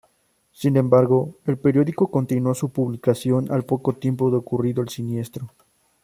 Sin embargo, el periódico continuó su publicación al poco tiempo de ocurrido el siniestro.